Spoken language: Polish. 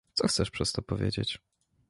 "Co chcesz przez to powiedzieć?"